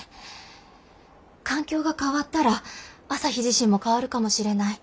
環境が変わったら朝陽自身も変わるかもしれない。